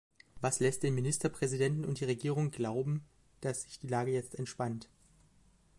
Was lässt den Ministerpräsidenten und die Regierung glauben, dass sich die Lage jetzt entspannt?